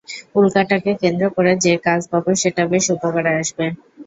উল্কাটাকে কেন্দ্র করে যে কাজ পাবো সেটা বেশ উপকারে আসবে।